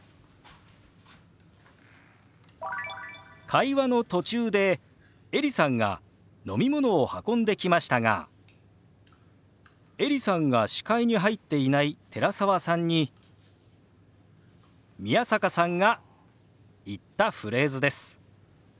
会話の途中でエリさんが飲み物を運んできましたがエリさんが視界に入っていない寺澤さんに宮坂さんが言ったフレーズです。